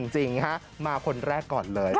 จริงฮะมาคนแรกก่อนเลย